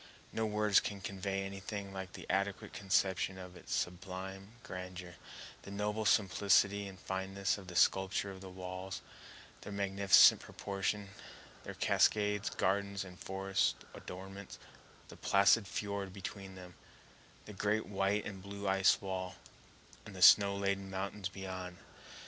No words can convey anything like an adequate conception of its sublime grandeur—the noble simplicity and fineness of the sculpture of the walls; their magnificent proportions; their cascades, gardens, and forest adornments; the placid fiord between them; the great white and blue ice wall, and the snow laden mountains beyond.